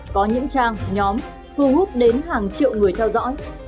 có những trang nhóm thu hút đến hàng triệu người theo dõi